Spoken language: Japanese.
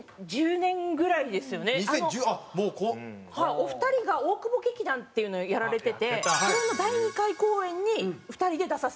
お二人が大久保劇団っていうのをやられててそれの第２回公演に２人で出させてもらった時からで。